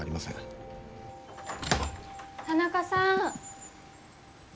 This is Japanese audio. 田中さん。